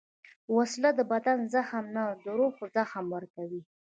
وسله د بدن زخم نه، د روح زخم ورکوي